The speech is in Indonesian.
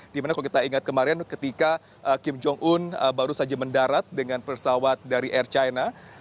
dimana kalau kita ingat kemarin ketika kim jong un baru saja mendarat dengan pesawat dari air china